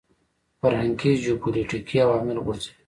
فرهنګي جیوپولیټیکي عوامل غورځوي.